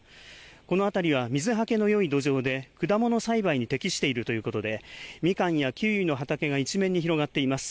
この辺りは水はけのよい土壌で、果物栽培に適しているということで、みかんやキウイの畑が一面に広がっています。